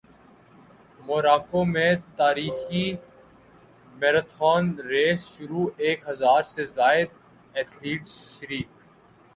موراکو میں تاریخی marathon race شروع ایک ہزار سے زائد ایتھلیٹس شریک